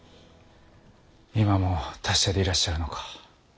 今も達者でいらっしゃるのか。